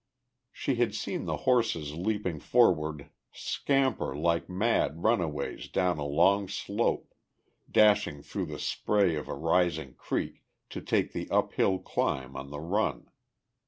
She had seen the horses leaping forward scamper like mad runaways down a long slope, dashing through the spray of a rising creek to take the uphill climb on the run.